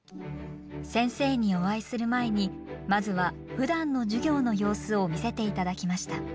先生にお会いする前にまずは、ふだんの授業の様子を見せていただきました。